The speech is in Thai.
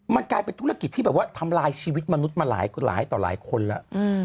มันกลายเป็นธุรกิจที่แบบว่าทำลายชีวิตมนุษย์มาหลายต่อหลายคนแล้ว